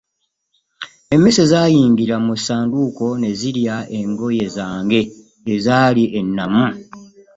Emmese zayingira mu ssanduuko ne zirya engoye zange ezaali ennamu.